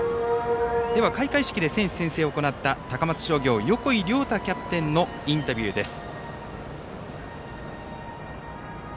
では、開会式で選手宣誓を行った高松商業キャプテン横井亮太選手のインタビューです。